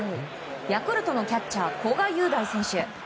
ヤクルトのキャッチャー古賀優大選手。